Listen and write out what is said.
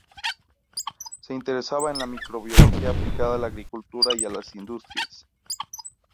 Se interesaba en la microbiología aplicada a la agricultura y las industrias.